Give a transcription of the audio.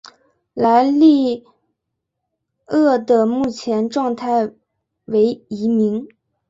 莱利鳄的目前状态为疑名。